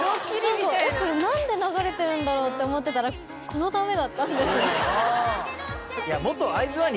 これ何で流れてるんだろう？って思ってたらこのためだったんですね。